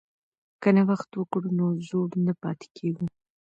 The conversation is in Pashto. که نوښت وکړو نو زوړ نه پاتې کیږو.